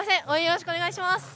応援よろしくお願いします。